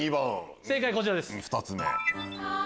正解こちらです。